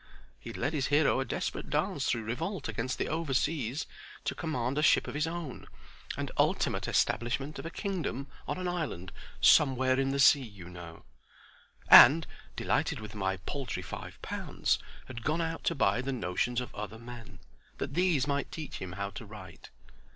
He had led his hero a desperate dance through revolt against the overseas, to command of a ship of his own, and ultimate establishment of a kingdom on an island "somewhere in the sea, you know"; and, delighted with my paltry five pounds, had gone out to buy the notions of other men, that these might teach him how to write.